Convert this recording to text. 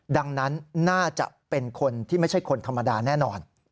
ดังนั้นน่าจะเป็นคนที่ไม่ใช่คนธรรมดาแน่นอน